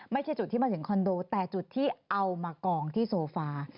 ไม่ใช่จุดที่มาถึงคอนโดแต่จุดที่เอามากองที่โซฟา